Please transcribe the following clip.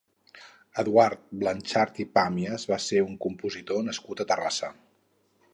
Eduard Blanxart i Pàmies va ser un compositor nascut a Terrassa.